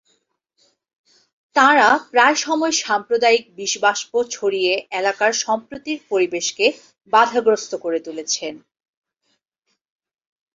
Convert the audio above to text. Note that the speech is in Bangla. তাঁরা প্রায় সময় সাম্প্রদায়িক বিষবাষ্প ছড়িয়ে এলাকার সম্প্রীতির পরিবেশকে বাধাগ্রস্ত করে তুলছেন।